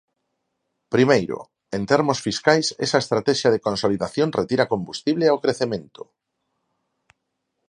Primeiro, en termos fiscais esa estratexia de consolidación retira combustible ao crecemento.